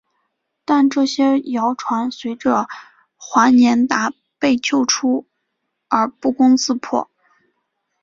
但这些谣传随着华年达被救出而不攻自破。